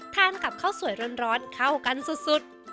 กับข้าวสวยร้อนเข้ากันสุด